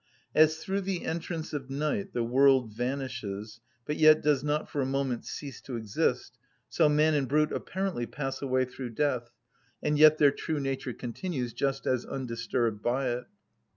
As through the entrance of night the world vanishes, but yet does not for a moment cease to exist, so man and brute apparently pass away through death, and yet their true nature continues, just as undisturbed by it.